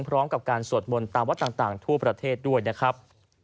พร้อมกับการสวดมนต์ตามวัดต่างทั่วประเทศด้วยนะครับ